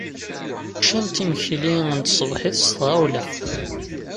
Ččant imekli n tṣebḥit s tɣawla.